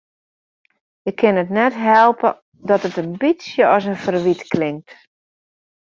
Ik kin it net helpe dat it in bytsje as in ferwyt klinkt.